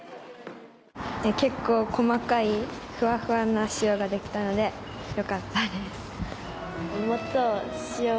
結構細かいふわふわな塩ができたのでよかったです。